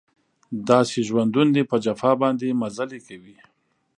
داسې ژوندون دی په جفا باندې مزلې کوي